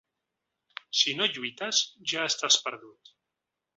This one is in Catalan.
Si no lluites, ja estàs perdut.